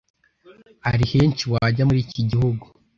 Hari henshi wajya muri iki gihugu